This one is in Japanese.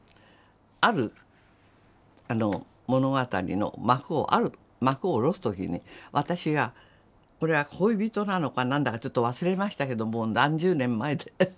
ある物語の幕をある幕を下ろす時に私がこれは恋人なのか何だかちょっと忘れましたけどもう何十年も前で。